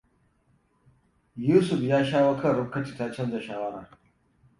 Yusuf ya shawo kan Rifkatu ta canza shawara.